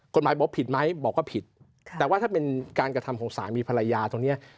กฎหมายบอกผิดไหมบอกว่าผิดแต่ว่าถ้าเป็นการกระทำของสามีภรรยาตรงเนี้ย